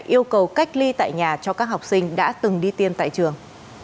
yêu cầu cách ly tại nhà cho các học sinh đã từng đi tiêm tại trường